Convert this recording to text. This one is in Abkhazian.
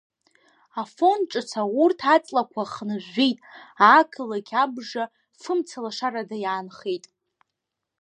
Афон Ҿыц аурҭ аҵлақәа хнажәжәеит, ақалақь абжа фымцалашарада иаанхеит.